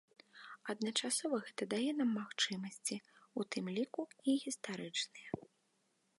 Адначасова гэта дае нам магчымасці, у тым ліку і гістарычныя.